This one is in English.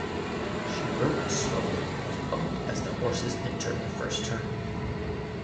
She broke slowly and was bumped as the horses entered the first turn.